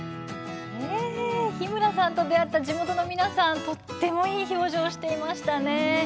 日村さんと出会った地元の皆さん、とてもいい表情をしていましたね。